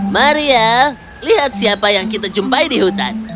maria lihat siapa yang kita jumpai di hutan